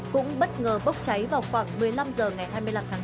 cũng bất ngờ bốc cháy vào khoảng một mươi năm giờ ngày hai mươi năm tháng hai